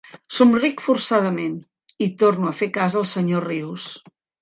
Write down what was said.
Somric forçadament i torno a fer cas al senyor Rius.